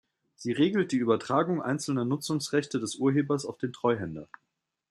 Sie regelt die Übertragung einzelner Nutzungsrechte des Urhebers auf den Treuhänder.